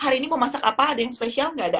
hari ini mau masak apa ada yang spesial nggak ada